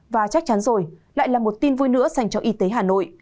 và chắc chắn rồi lại là một tin vui nữa dành cho y tế hà nội